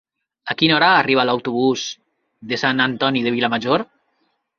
A quina hora arriba l'autobús de Sant Antoni de Vilamajor?